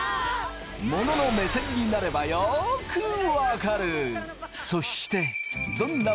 モノの目線になればよく分かる！